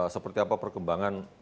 seperti apa perkembangan